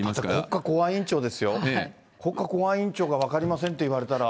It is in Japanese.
国家公安委員長ですよ、国家公安委員長が分かりませんって言われたら。